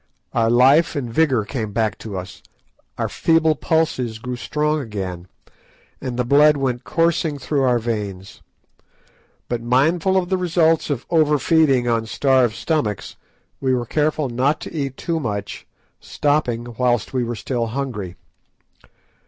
Our life and vigour came back to us, our feeble pulses grew strong again, and the blood went coursing through our veins. But mindful of the results of over feeding on starved stomachs, we were careful not to eat too much, stopping whilst we were still hungry.